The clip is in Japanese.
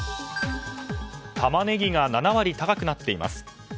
タマネギが７割高くなっています。